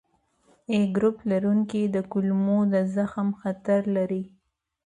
A ګروپ لرونکي د کولمو د زخم خطر لري.